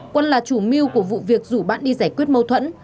quân là chủ mưu của vụ việc rủ bạn đi giải quyết mâu thuẫn